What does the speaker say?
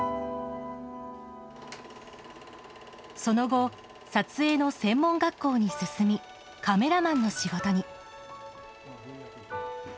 その後、撮影の専門学校に進みカメラマンの仕事に。